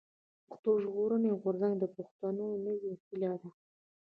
پښتون ژغورني غورځنګ د پښتنو نوې هيله ده.